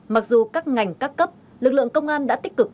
mặc dù các ngành các cấp lực lượng công an đã tích cực